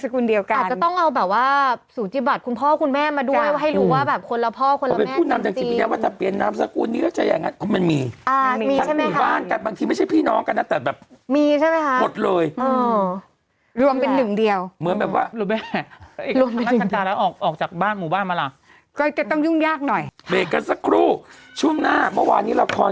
ก็มาเจอคุณปีเตอร์คอฟกันสุดท้ายก็คือรักการอะไรอย่างเงี้ย